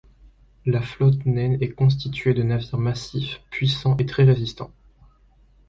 La flotte naine est constituée de navires massifs, puissants et très résistants.